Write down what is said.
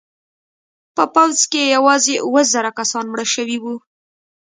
په پوځ کې یوازې اوه زره کسان مړه شوي وو.